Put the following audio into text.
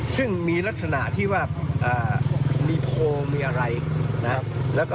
ซึ่งมีลักษณะที่ว่ามีโพลมีอะไรนะครับ